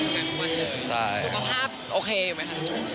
สุขภาพโอเคไหมคะ